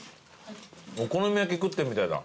お好み焼き食ってるみたいだ。